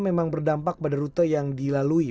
memang berdampak pada rute yang dilalui